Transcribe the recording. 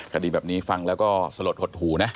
คดีแบบนี้ฟังแล้วก็สลดหดหูนะ